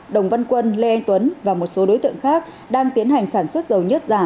đồng văn quân lê anh tuấn và một số đối tượng khác đang tiến hành sản xuất dầu nhất giả